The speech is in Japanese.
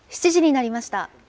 ７時になりました。